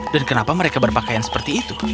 dan kenapa mereka berpakaian seperti itu